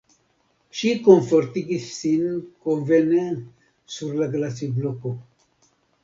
Ŝi komfortigis sin konvene sur la glacibloko.